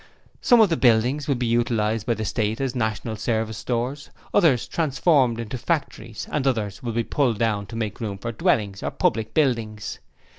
Some of the buildings will be utilized by the State as National Service Stores, others transformed into factories and others will be pulled down to make room for dwellings, or public buildings...